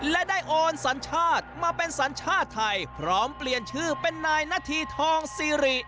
และได้โอนสัญชาติมาเป็นสัญชาติไทยพร้อมเปลี่ยนชื่อเป็นนายนาธีทองซีริ